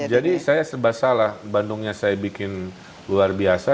jadi saya serba salah bandungnya saya bikin luar biasa